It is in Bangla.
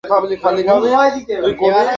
যত্ন নেয়ার জন্য তার কাউকে দরকার।